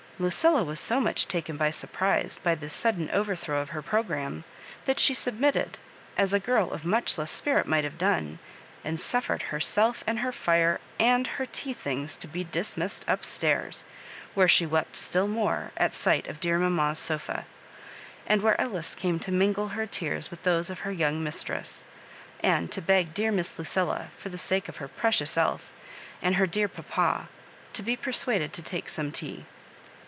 Ludlla was so much taken by surprise by this sudden overthrow of her pro gramme, that she submitted, as a girl of much less spirit might have done, and suffered herself and her fire and her tea things to be dismissed up stairs, where she wept still more at sight of dear mamma's sofa, and where Ellis came to mingle her tears with those of her young roisr tress, and to beg dear Miss Luciila, forthe sake of her precious 'elth and her dear papa, to be persuaded to take some tea.